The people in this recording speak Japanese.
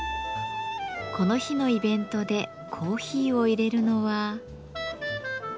この日のイベントでコーヒーをいれるのは。